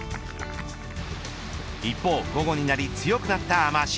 一方、午後になり強くなった雨脚。